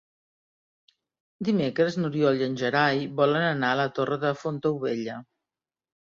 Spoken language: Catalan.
Dimecres n'Oriol i en Gerai volen anar a la Torre de Fontaubella.